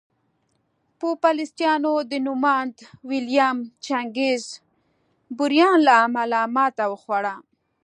پوپلستانو د نوماند ویلیم جیننګز بریان له امله ماتې وخوړه.